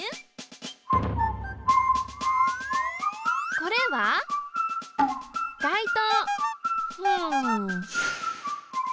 これは外灯。